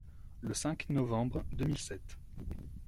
Le cinq novembre deux mille sept.